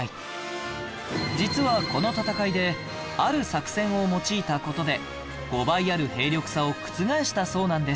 実はこの戦いである作戦を用いた事で５倍ある兵力差を覆したそうなんです